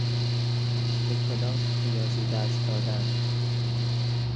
به کلاس ریاضی درس دادن